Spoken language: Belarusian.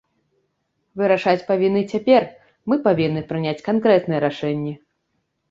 Вырашаць павінны цяпер, мы павінны прыняць канкрэтныя рашэнні.